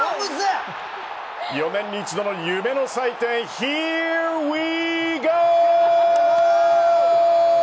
４年に一度の夢の祭典ヒアウィーゴー。